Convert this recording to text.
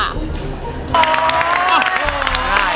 อ๋อได้เลย